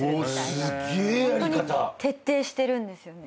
ホントに徹底してるんです。